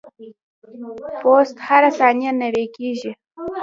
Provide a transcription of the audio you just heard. پوست هره ثانیه نوي کیږي.